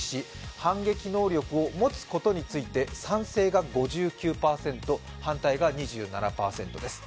反撃能力を持つことについて賛成が５９％、反対が２７％です。